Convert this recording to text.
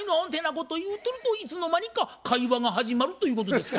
こと言うとるといつの間にか会話が始まるということですわ。